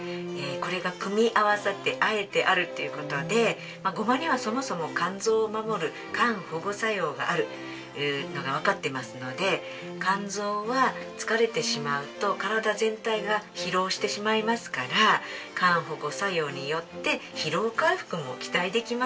これが組み合わさってあえてあるっていう事でごまにはそもそも肝臓を守る肝保護作用があるのがわかってますので肝臓は疲れてしまうと体全体が疲労してしまいますから肝保護作用によって疲労回復も期待できますね。